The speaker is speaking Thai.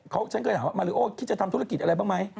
เขาฉันเคยถามว่ามาเราชุดจะทำธุรกิจอะไรเป็นไหม